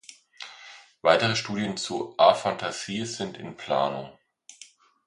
Weitere Studien zu Afantasie sind in Planung.